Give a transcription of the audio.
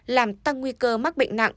làm tăng nguy cơ mắc bệnh nặng